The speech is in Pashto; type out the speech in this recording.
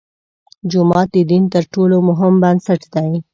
جومات د دین تر ټولو مهم بنسټ دی.